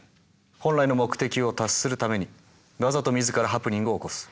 本来の目的を達するためにわざと自らハプニングを起こす。